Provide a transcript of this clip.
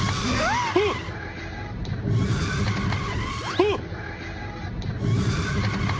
あっ！